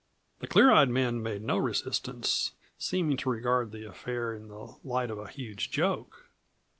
The clear eyed man made no resistance, seeming to regard the affair in the light of a huge joke.